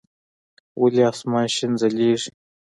ولي اسمان شين ځليږي؟